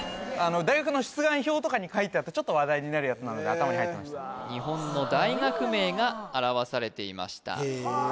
大学の出願票とかに書いてあってちょっと話題になるやつなので頭に入ってました日本の大学名が表されていましたへえ